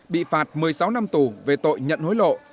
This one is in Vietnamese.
bị phạt một mươi sáu năm tù về tội nhận hối lộ